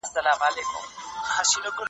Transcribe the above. لومړی ماشوم د ورور سره ویده وموندل شو.